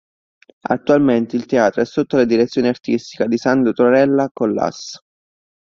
Attualmente il teatro è sotto la Direzione Artistica di Sandro Torella con l'Ass.